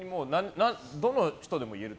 どの人でも言える？